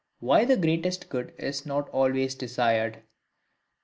Why the greatest Good is not always desired.